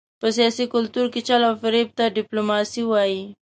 په سیاسي کلتور کې چل او فرېب ته ډیپلوماسي وايي.